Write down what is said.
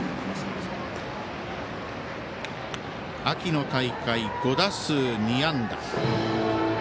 秋の大会、５打数２安打。